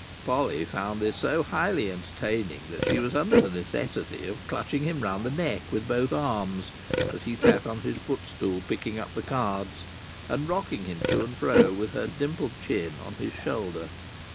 Polly found this so highly entertaining that she was under the necessity of clutching him round the neck with both arms as he sat on his footstool picking up the cards, and rocking him to and fro, with her dimpled chin on his shoulder.